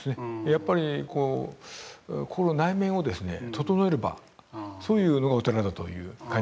やっぱりこう心内面を整える場そういうのがお寺だという感じがするんですね。